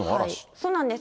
そうなんです。